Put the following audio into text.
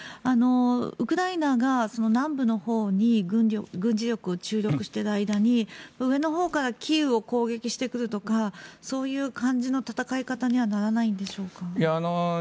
ウクライナが南部のほうに軍事力を注力している間に上のほうからキーウを攻撃してくるとかそういう感じの戦い方にはならないんでしょうか。